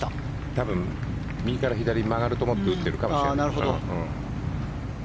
多分右から左に曲がると思って打っているかもしれない。